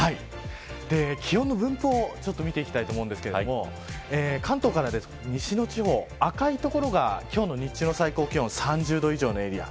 気温の分布をちょっと見ていきたいと思うんですけど関東から西の地方、赤い所が今日の日中の最高気温３０度以上のエリア。